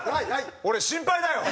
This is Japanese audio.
俺心配だよ！